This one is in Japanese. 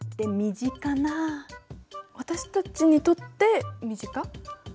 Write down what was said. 私たちにとって身近？